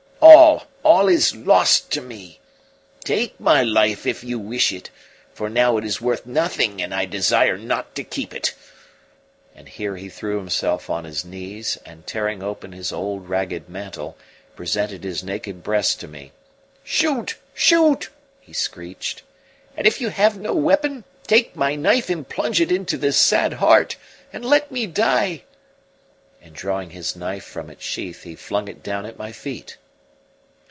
All, all is lost to me! Take my life if you wish it, for now it is worth nothing and I desire not to keep it!" And here he threw himself on his knees and, tearing open his old, ragged mantle, presented his naked breast to me. "Shoot! Shoot!" he screeched. "And if you have no weapon take my knife and plunge it into this sad heart, and let me die!" And drawing his knife from its sheath, he flung it down at my feet.